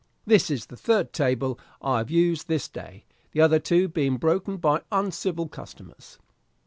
This is the third table I have used this day, the other two being broken by uncivil customers.